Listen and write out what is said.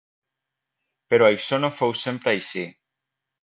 Però això no fou sempre així.